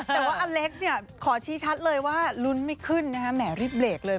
แต่ว่าอเล็กซ์เนี่ยขอชี้ชัดเลยว่าลุ้นไม่ขึ้นนะฮะแหมรีบเบรกเลย